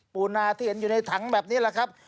ปูนาที่เห็นอยู่ในถังแบบนี้แหละครับ